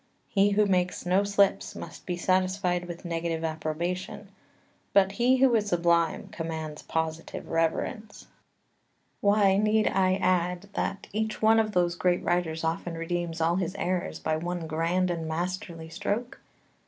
He who makes no slips must be satisfied with negative approbation, but he who is sublime commands positive reverence. 2 Why need I add that each one of those great writers often redeems all his errors by one grand and masterly stroke?